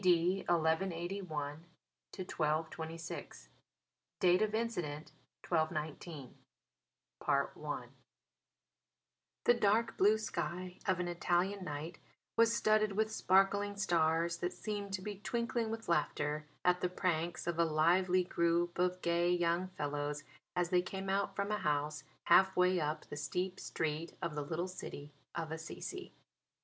D. 1181 1226 (Date of Incident, 1219) I The dark blue sky of an Italian night was studded with sparkling stars that seemed to be twinkling with laughter at the pranks of a lively group of gay young fellows as they came out from a house half way up the steep street of the little city of Assisi.